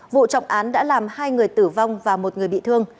vụ trọng án đã làm hai người tử vong và một người bị thương